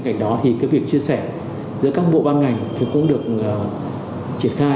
chia sẻ giữa các bộ ban ngành thì cũng được triển khai